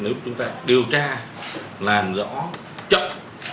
nếu chúng ta điều tra làm rõ chậm